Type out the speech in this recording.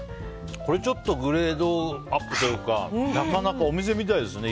これ、ちょっとグレードアップというかなかなかお店みたいですね